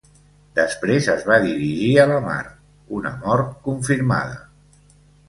Després es va dirigir a la mar, una mort confirmada.